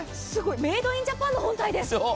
メイドインジャパンの本体です。